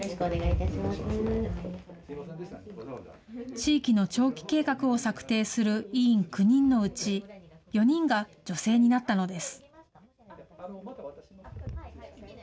地域の長期計画を策定する委員９人のうち、４人が女性になったのです。